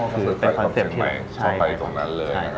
คือเป็นคอนเซ็ปท์ที่เราชอบไปตรงนั้นเลย